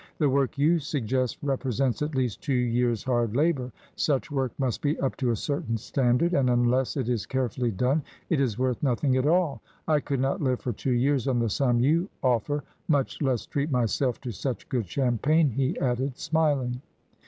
The work you suggest re presents, at least, two years' hard labour. Such work must be up to a certain standard, and unless it is carefully done it is worth nothing at all. I could not live for two years on the sum you offer, much less treat myself to such good champagne," he added, smiling.